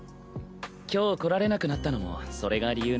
今日来られなくなったのもそれが理由なんだ。